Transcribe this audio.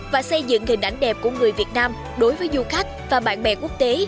và xây dựng hình ảnh đẹp của người việt nam đối với du khách và bạn bè quốc tế